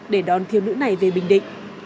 để đón thiếu nữ này về bình định